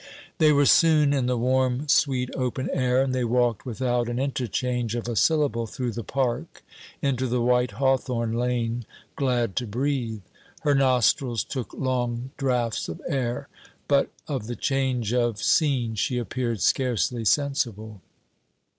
They were soon in the warm sweet open air, and they walked without an interchange of a syllable through the park into the white hawthorn lane, glad to breathe. Her nostrils took long draughts of air, but of the change of, scene she appeared scarcely sensible.